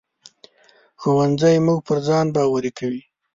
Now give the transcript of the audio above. ښوونځی موږ پر ځان باوري کوي